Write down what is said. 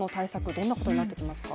どんなことになってきますか？